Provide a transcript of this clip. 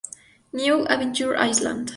New Adventure Island